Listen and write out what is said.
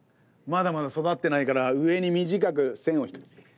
まだまだ育ってないから上に短く線を引く。